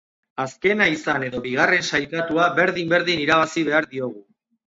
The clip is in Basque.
Azkena izan edo bigarren sailkatua berdin-berdin irabazi behar diogu.